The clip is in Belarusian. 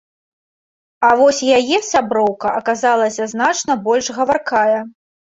А вось яе сяброўка аказалася значна больш гаваркая.